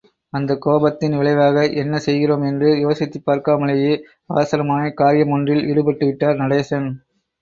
அந்தக் கோபத்தின் விளைவாக, என்ன செய்கிறோம் என்று யோசித்துப் பார்க்காமலேயே அவசரமான காரியம் ஒன்றில் ஈடுபட்டு விட்டார் நடேசன்.